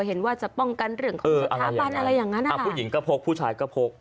เห็นว่าจะป้องกันเรื่องของสถาบันอะไรอย่างนั้นอ่ะอ่าผู้หญิงก็พกผู้ชายก็พก